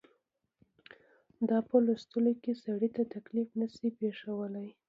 دا په لوستلو کې سړي ته تکلیف نه شي پېښولای.